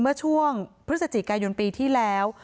เมื่อช่วงพฤศจิกายนปีที่แล้ว